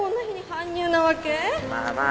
まあまあ。